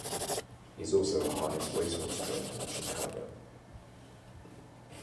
He is also a harness race horse trainer in Chicago.